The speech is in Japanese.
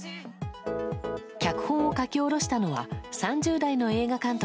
脚本を書き下ろしたのは３０代の映画監督